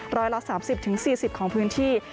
ร้อยละ๓๐๔๐ของพื้นที่